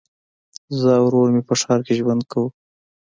زه او ورور مي په ښار کي ژوند کوو.